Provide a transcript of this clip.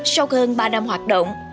sau hơn ba năm hoạt động